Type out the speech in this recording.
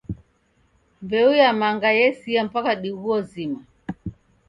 Mbeu ya manga yesia mpaka diguo zima